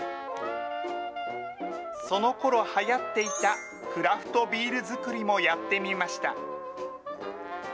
そのころはやっていたクラフトビール造りもやってみました。